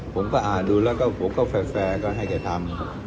ผมก็อ่านดูแล้วก็ผมก็แฟร์ก็ให้แกทำ